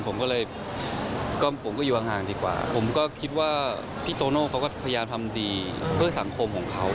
ผมก็เลยผมก็อยู่ห่างดีกว่าผมก็คิดว่าพี่โตโน่เขาก็พยายามทำดีเพื่อสังคมของเขา